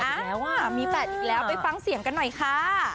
แล้วอ่ะมีแฝดอีกแล้วไปฟังเสียงกันหน่อยค่ะ